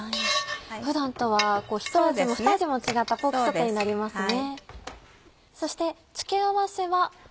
普段とはひと味もふた味も違ったポークソテーになりますね。